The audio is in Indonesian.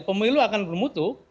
pemilu akan bermutu